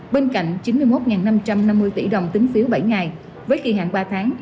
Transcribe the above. bên cạnh chín mươi một năm trăm năm mươi tỷ đồng tính phiếu bảy ngày với kỳ hạn ba tháng